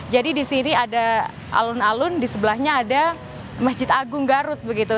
jadi di sini ada alun alun di sebelahnya ada masjid agung garut begitu